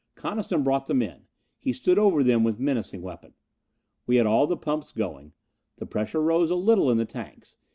Coniston brought the men. He stood over them with menacing weapon. We had all the pumps going. The pressure rose a little in the tanks.